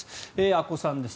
阿古さんです。